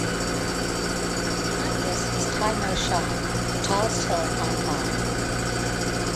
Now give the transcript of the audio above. Behind this is Tai Mo Shan, the tallest hill in Hong Kong.